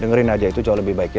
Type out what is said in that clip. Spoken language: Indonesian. dengerin aja itu jauh lebih baik ya